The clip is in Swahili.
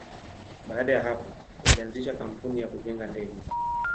Baada ya hapo, walianzisha kampuni ya kujenga ndege.